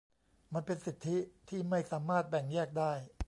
มันเป็นสิทธิที่ไม่สามารถแบ่งแยกได้